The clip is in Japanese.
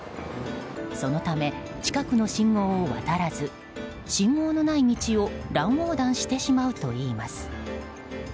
そのため、近くの信号を渡らず信号のない道を乱横断してしまうといいます。